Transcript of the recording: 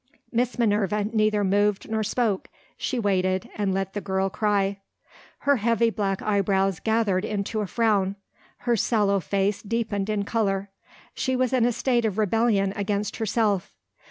Miss Minerva neither moved nor spoke. She waited, and let the girl cry. Her heavy black eyebrows gathered into a frown; her sallow face deepened in colour. She was in a state of rebellion against herself.